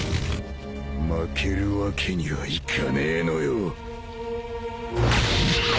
負けるわけにはいかねえのよ。